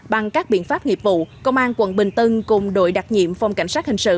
bằng các biện pháp nghiệp vụ công an quận bình tân cùng đội đặc nhiệm phòng cảnh sát hình sự